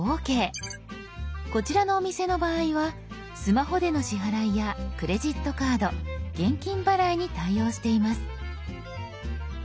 こちらのお店の場合はスマホでの支払いやクレジットカード現金払いに対応しています。